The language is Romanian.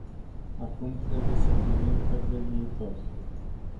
Acum trebuie să privim către viitor.